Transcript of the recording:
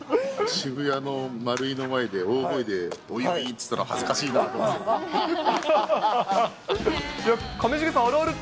渋谷の丸井の前で大声でオイオイって言ったら恥ずかしいなって。